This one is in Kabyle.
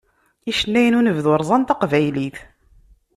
Icennayen n unebdu rẓan taqbaylit.